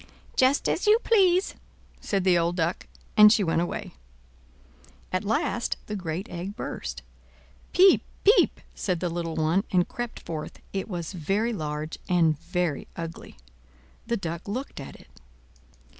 "Just as you please," said the old Duck; and she went away. At last the great egg burst. "Piep! piep!" said the little one, and crept forth, it was very large and very ugly. The Duck looked at it.